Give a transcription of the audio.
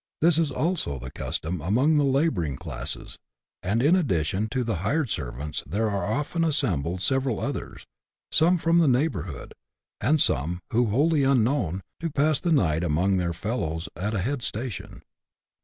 This is also the custom among the labouring classes, and in addition to tlie hired servants there are often assembled several others, some from the neighbourhood, and some wholly unknown, to pass the night among their fellows at a head station.